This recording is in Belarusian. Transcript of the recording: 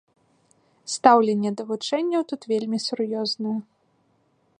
Стаўленне да вучэнняў тут вельмі сур'ёзнае.